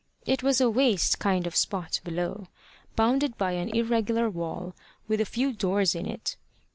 It was a waste kind of spot below, bounded by an irregular wall, with a few doors in it.